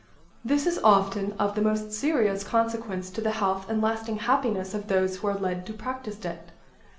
This is often of the most serious consequence to the health and lasting happiness of those who are led to practise it.